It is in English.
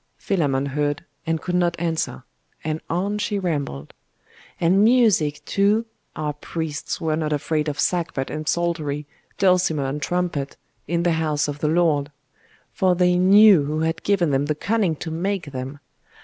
Philammon heard, and could not answer; and on she rambled. 'And music, too? Our priests were not afraid of sackbut and psaltery, dulcimer and trumpet, in the house of the Lord; for they knew who had given them the cunning to make them.